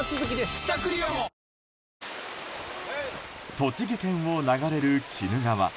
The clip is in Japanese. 栃木県を流れる鬼怒川。